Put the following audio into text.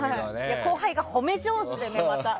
後輩が褒め上手でね。